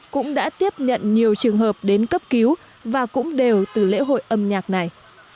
cũng đã tiếp nhận nhiều trường hợp đến cấp cứu và cũng đều từ lễ hội âm nhạc này